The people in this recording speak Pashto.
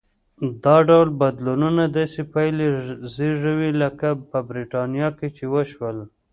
دا ډول بدلونونه داسې پایلې زېږوي لکه په برېټانیا کې چې وشول.